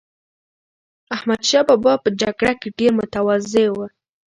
احمدشاه بابا په جګړه کې ډېر متواضع و.